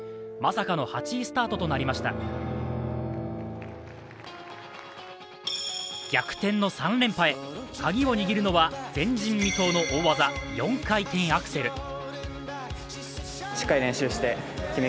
まさかの８位スタートとなりました逆転の３連覇へ、鍵を握るのは前人未到の大技、４回転アクセル。